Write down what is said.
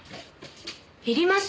いります？